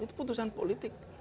itu keputusan politik